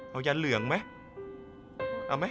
เอายาเหลืองไหม